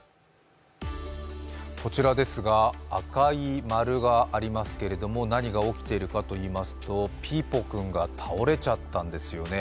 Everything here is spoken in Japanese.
こちらですが赤い丸がありますけれども何が起きているかといいますと、ピーポくんが倒れちゃったんですよね。